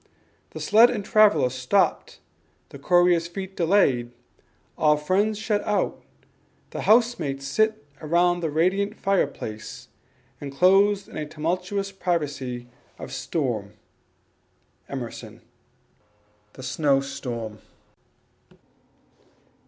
The sled and traveller stopped, the courier's feet Delayed, all friends shut out, the housemates sit Around the radiant fireplace, enclosed In a tumultuous privacy of storm." Emerson. The Snow Storm.